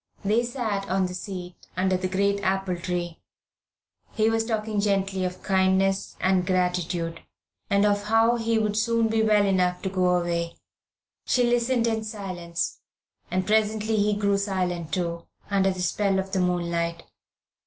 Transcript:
They sat on the seat under the great apple tree. He was talking gently of kindness and gratitude, and of how he would soon be well enough to go away. She listened in silence, and presently he grew silent, too, under the spell of the moonlight.